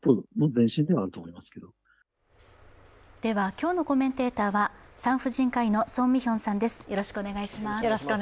今日のコメンテーターは産婦人科医の宋美玄さんです。